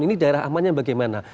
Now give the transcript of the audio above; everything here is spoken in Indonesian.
ini daerah aman yang bagaimana